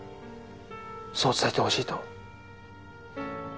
そう伝えてほしいと。